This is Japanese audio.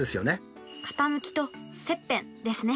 傾きと切片ですね。